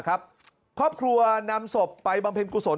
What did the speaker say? ครอบครัวนำศพไปบำเพ็ญกุศล